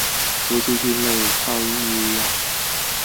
氟西汀类抗抑郁药。